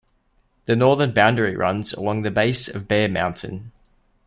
The northern boundary runs along the base of Bear Mountain.